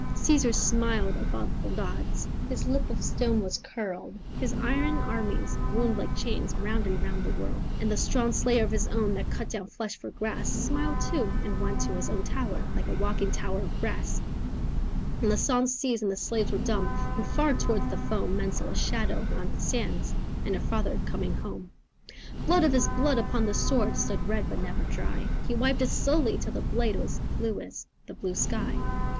"Caesar smiled above the gods, His lip of stone was curled, His iron armies wound like chains Round and round the world, And the strong slayer of his own That cut down flesh for grass, Smiled too, and went to his own tower Like a walking tower of brass, And the songs ceased and the slaves were dumb; And far towards the foam Men saw a shadow on the sands; And her father coming home.... Blood of his blood upon the sword Stood red but never dry. He wiped it slowly, till the blade Was blue as the blue sky.